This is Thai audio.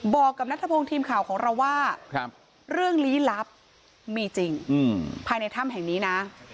บอกกับนัทพงศ์ทีมข่าวของเราว่าเรื่องลี้ลับมีจริงภายในถ้ำแห่งนี้นะ